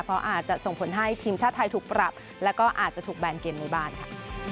เพราะอาจจะส่งผลให้ทีมชาติไทยถูกปรับแล้วก็อาจจะถูกแบนเกมในบ้านค่ะ